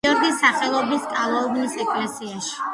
გიორგის სახელობის კალოუბნის ეკლესიაში.